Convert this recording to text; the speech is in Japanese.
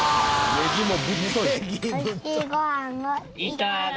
ネギもぶっとい。